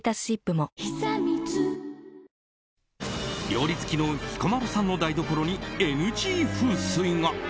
料理好きの彦摩呂さんの台所にＮＧ風水が。